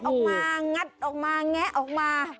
แกะออกมางัดออกมาแงะออกมา